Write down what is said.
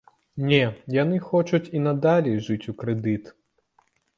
Не, яны хочуць і надалей жыць у крэдыт.